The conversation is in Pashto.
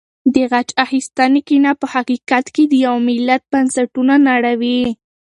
د غچ اخیستنې کینه په حقیقت کې د یو ملت بنسټونه نړوي.